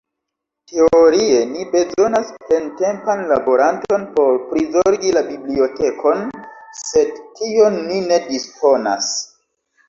Teorie ni bezonas plentempan laboranton por prizorgi la bibliotekon, sed tion ni ne disponas.